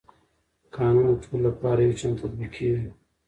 قانون د ټولو لپاره یو شان تطبیقېږي.